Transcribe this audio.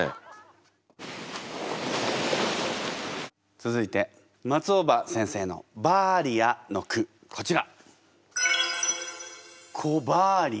続いて松尾葉先生の「バーリア」の句こちら。